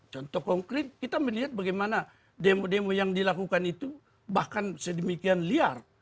contoh konkret kita melihat bagaimana demo demo yang dilakukan itu bahkan sedemikian liar